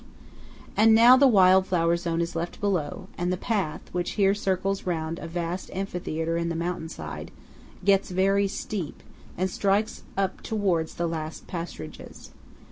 And now the wild flower zone is left below; and the path, which here circles round a vast amphitheatre in the mountain side, gets very steep, and strikes up towards the last pasturages.